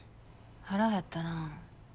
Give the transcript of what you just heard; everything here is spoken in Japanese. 腹減ったな。